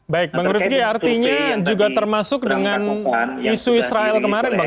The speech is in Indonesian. baik bang rifki artinya juga termasuk dengan isu israel kemarin bang